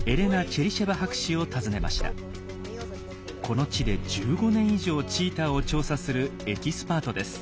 この地で１５年以上チーターを調査するエキスパートです。